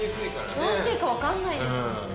どうしていいかわかんない。